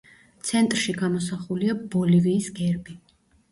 ცენტრში გამოსახულია ბოლივიის გერბი.